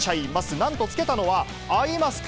なんとつけたのは、アイマスク。